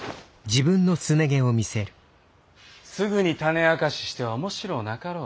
すぐに種明かししては面白うなかろう。